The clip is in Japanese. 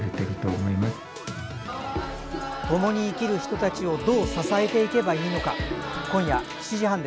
ともに生きる人たちをどう支えていけばいいのか。